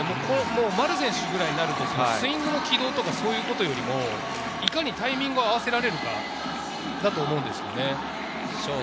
丸選手ぐらいになると、スイングの軌道とかそういうことよりも、いかにタイミングを合わせられるかだと思うんです。